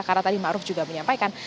karena tadi maruf juga menyampaikan